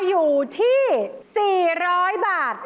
อยู่ที่๔๐๐บาท